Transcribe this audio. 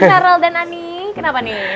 carol dan ani kenapa ni